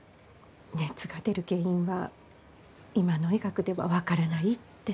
熱が出る原因は今の医学では分からないって。